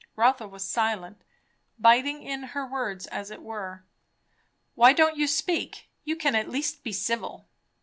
Rotha was silent, biting in her words, as it were. "Why don't you speak? You can at least be civil."